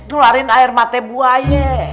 keluarin air mati buaya